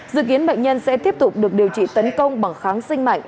dự kiến bệnh nhân sẽ tiếp tục được điều trị tấn công bằng kháng sinh mạnh